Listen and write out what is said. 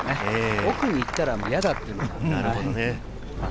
奥に行ったら嫌だって。